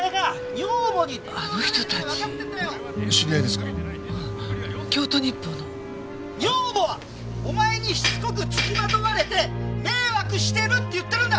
女房はお前にしつこくつきまとわれて迷惑してるって言ってるんだ！